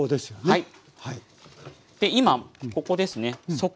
はい。